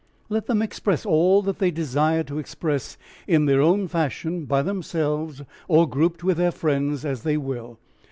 Let them express all that they desire to express in their own fashion by themselves or grouped with their friends as they will.